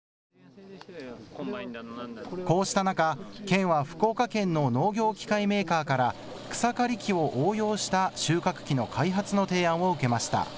こうした中、県は福岡県の農業機械メーカーから草刈り機を応用した収穫機の開発の提案を受けました。